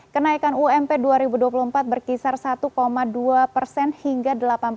kenaikan ump dua ribu dua puluh empat berkisar satu dua hingga delapan